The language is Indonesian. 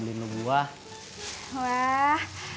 emang belum rejeki kita punya anak